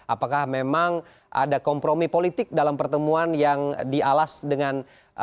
apakah memang ada kompromi politik dalam pertemuan yang dialas dengan